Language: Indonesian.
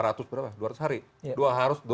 ini sudah dilakukan dari sejak